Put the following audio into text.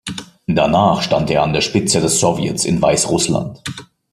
Danach stand er an der Spitze des Sowjets in Weißrussland.